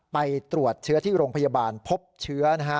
ไปตรวจเชื้อที่โรงพยาบาลพบเชื้อนะฮะ